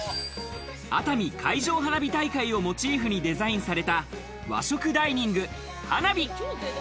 熱海海上花火大会をモチーフにデザインされた和食ダイニング花火。